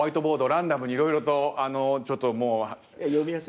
ランダムにいろいろとちょっともう。